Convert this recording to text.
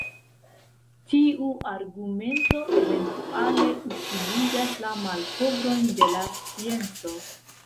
Tiu argumento, eventuale, utiligas la malkovrojn de la scienco.